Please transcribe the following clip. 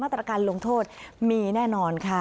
ตรการลงโทษมีแน่นอนค่ะ